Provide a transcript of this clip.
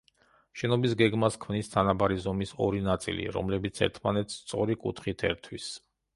შენობის გეგმას ქმნის თანაბარი ზომის ორი ნაწილი, რომლებიც ერთმანეთს სწორი კუთხით ერთვის.